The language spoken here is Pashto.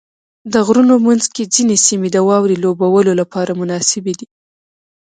د غرونو منځ کې ځینې سیمې د واورې لوبو لپاره مناسبې دي.